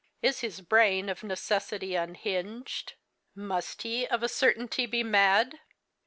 Is his brain of necessity unhinged? Must he of a certainty be mad?"